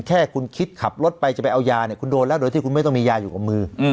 แค่คุณคิดขับรถไปจะไปเอายาเนี่ยคุณโดนแล้วโดยที่คุณไม่ต้องมียาอยู่กับมือ